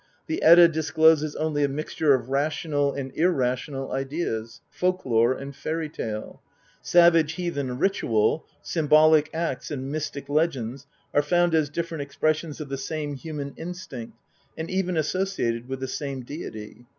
The Edda discloses only a mixture of rational and irrational ideas, folk lore, and fairy tale. Savage heathen ritual, symbolic acts, and mystic legends are found as different expressions of the same human instinct, and even associated with the same deity.